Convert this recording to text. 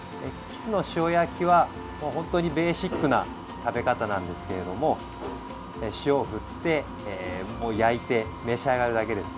キスの塩焼きはベーシックな食べ方なんですが塩を振って焼いて召し上がるだけです。